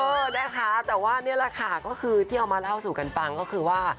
เออนะคะแต่ว่านี่แหละค่ะก็คือที่เอามาเล่าสู่กันฟังก็คือว่า